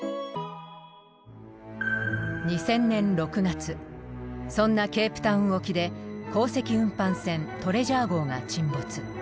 ２０００年６月そんなケープタウン沖で鉱石運搬船トレジャー号が沈没。